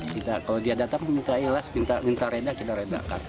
kalau dia datang minta ilas minta reda kita redakan